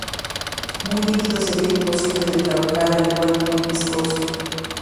Muy líquido sería imposible de trabajar al igual que muy viscoso.